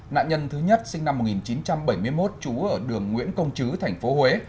nạn nhân thứ nhất sinh năm một nghìn chín trăm bảy mươi một trú ở đường nguyễn công chứ tp huế